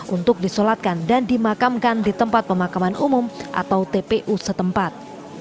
untuk disolatkan dan dimakamkan di tempat pemakaman umum atau tpu setempat